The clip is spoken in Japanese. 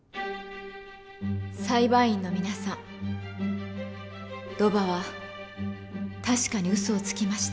裁判員の皆さんロバは確かにウソをつきました。